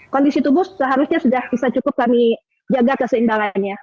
kondisi tubuh seharusnya sudah bisa cukup kami jaga keseimbangannya